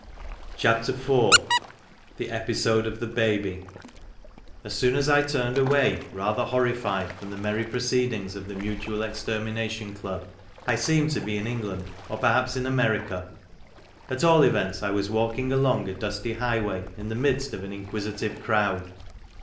IV THE EPISODE OF THE BABY As soon as I turned away, rather horrified, from the merry proceedings of the Mutual Extermination Club, I seemed to be in England, or perhaps in America. At all events I was walking along a dusty highway in the midst of an inquisitive crowd.